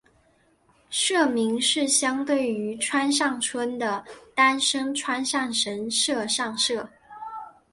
社名是相对于川上村的丹生川上神社上社。